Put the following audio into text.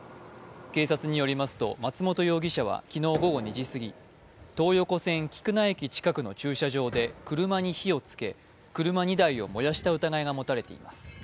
警察によりますと、松本容疑者は昨日午後２時過ぎ、東横線・菊名駅近くの駐車場で車に火をつけ車２台を燃やした疑いが持たれています。